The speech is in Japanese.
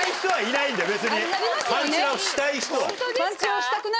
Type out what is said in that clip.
パンチラをしたい人は。